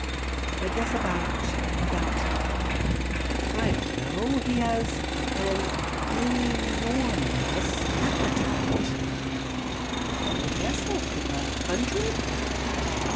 "I guess about about I don't know. He has an e nor mous appetite. I guess I'll cook a hundred."